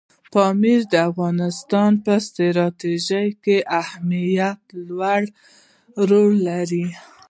پامیر د افغانستان په ستراتیژیک اهمیت کې لوی رول لري.